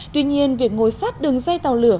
tuy nhiên việc ngồi sát đường dây tàu lửa